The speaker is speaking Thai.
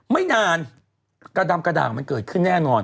ไม่นานกระดำกระด่างมันเกิดขึ้นแน่นอน